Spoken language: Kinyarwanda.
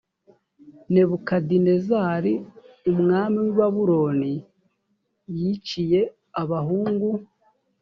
nebukadinezari umwami w i babuloni yiciye abahungu